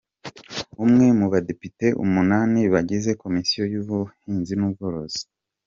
Umwe mu badepite umunani bagize komisiyo y’ ubuhinzi n’ ubworozi Hon.